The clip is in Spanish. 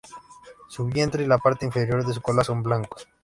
Su vientre y la parte inferior de su cola son blancos.